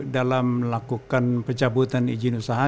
dalam melakukan pecah butan izin usaha